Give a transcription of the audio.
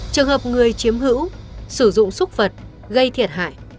trường hợp người chiếm hữu sử dụng xúc vật gây thiệt hại